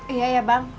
iya ya bang